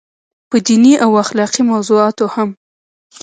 پۀ ديني او اخلاقي موضوعاتو هم